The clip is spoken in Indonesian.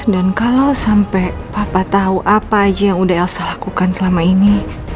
dan kalau sampai papa tahu apa aja yang udah elsa lakukan selama ini